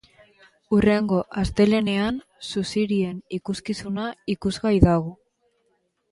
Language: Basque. Hurrengo astelehenean suzirien ikuskizuna ikusgai dago.